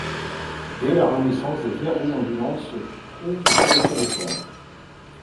Dès la Renaissance, des verreries ambulantes se trouvent sur le territoire.